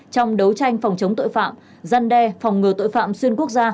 trong đấu tranh phòng chống tội phạm gian đe phòng ngừa tội phạm xuyên quốc gia